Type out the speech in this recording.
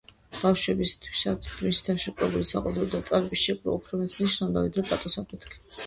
ბავშვებისთვისაც მისი თავშეკავებული საყვედური და წარბის შეკვრა უფრო მეტს ნიშნავდა, ვიდრე კატოს „აფეთქება“.